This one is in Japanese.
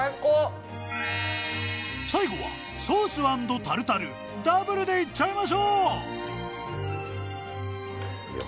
最後はソース＆タルタルダブルでいっちゃいましょういや